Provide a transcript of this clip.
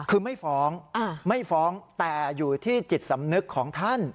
คือไม่ฟ้องไม่ฟ้องแต่อยู่ที่จิตสำนึกของท่าน